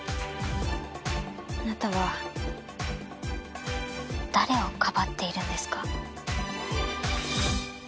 あなたは誰をかばっているんですか？